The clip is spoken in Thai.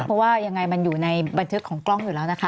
เพราะว่ายังไงมันอยู่ในบันทึกของกล้องอยู่แล้วนะคะ